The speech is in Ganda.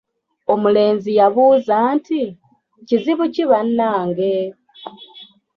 "Omulenzi yabuuza nti, “Kizibu ki bannange?"""